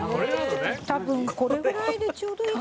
多分これぐらいでちょうどいい。